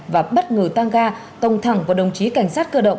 và bất ngờ tăng ga tông thẳng vào đồng chí cảnh sát cơ động